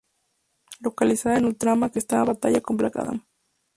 Localiza a Ultraman que está en batalla con Black Adam.